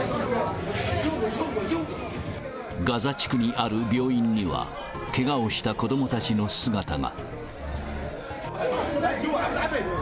ガザ地区にある病院には、けがをした子どもたちの姿が。